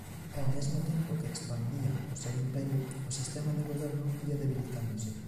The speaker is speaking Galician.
Ao mesmo tempo que expandía o seu imperio o sistema de goberno ía debilitándose.